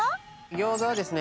餃子はですね